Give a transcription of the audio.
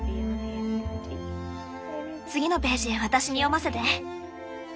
次のページ私に読ませて。